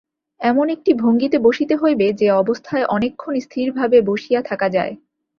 এমন একটি ভঙ্গীতে বসিতে হইবে, যে-অবস্থায় অনেকক্ষণ স্থিরভাবে বসিয়া থাকা যায়।